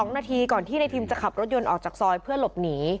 ๒นาทีก่อนที่ในพิมจะขับรถยนต์ออกจากซอยเพื่อหลบหนี